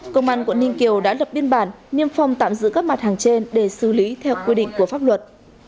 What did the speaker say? công an quận ninh kiều đã lập biên bản niêm phong tạm giữ các mặt hàng trên để xử lý theo quy định của pháp luật